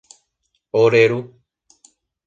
Ore Ru